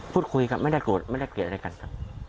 พูดคุยครับไม่ได้เกลียดอะไรกันครับ